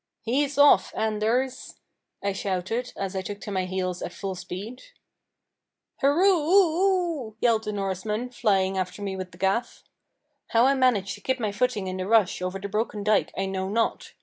"He's off, Anders!" I shouted, as I took to my heels at full speed. "Hurroo hoo oo!" yelled the Norseman, flying after me with the gaff. How I managed to keep my footing in the rush over the broken dike I know not.